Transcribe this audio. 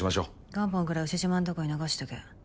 元本くらい丑嶋んとこに残しとけ。